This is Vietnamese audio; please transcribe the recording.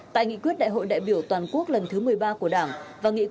tại nghị quyết đại hội đại biểu toàn quốc lần thứ một mươi ba của đảng